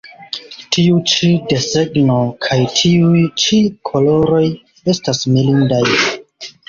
Tiu ĉi desegno kaj tiuj ĉi koloroj estas mirindaj!